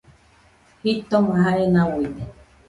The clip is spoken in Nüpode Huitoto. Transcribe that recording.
Jitoma jae nauide